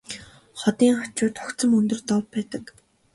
Хотын хажууд огцом өндөр дов байдаг.